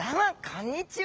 こんにちは。